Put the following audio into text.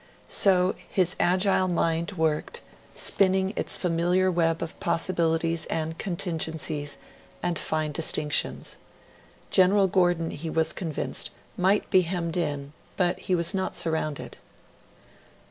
So his agile mind worked, spinning its familiar web of possibilities and contingencies and fine distinctions. General Gordon, he was convinced, might be hemmed in, but he was not surrounded.